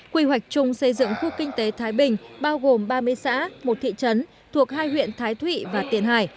quy hoạch chung xây dựng khu kinh tế thái bình bao gồm ba mươi xã một thị trấn thuộc hai huyện thái thụy và tiền hải